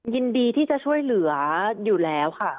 ยินดีที่จะช่วยเหลืออยู่แล้วค่ะ